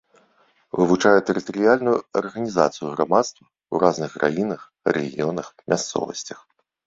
Вывучае тэрытарыяльную арганізацыю грамадства ў разных краінах, рэгіёнах, мясцовасцях.